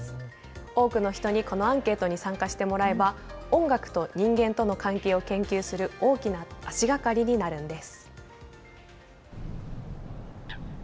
多くの人にこのアンケートに参加してもらえば、音楽と人間との関係を研究する、大きな足がかりになるんです。